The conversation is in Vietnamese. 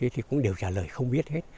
thì cũng đều trả lời không biết hết